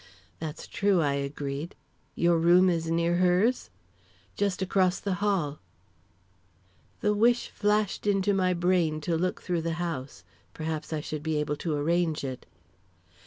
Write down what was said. "That's true," I agreed. "Your room is near hers?" "Just across the hall." The wish flashed into my brain to look through the house; perhaps I should be able to arrange it.